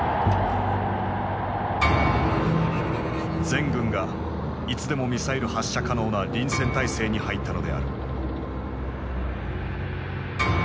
全軍がいつでもミサイル発射可能な臨戦態勢に入ったのである。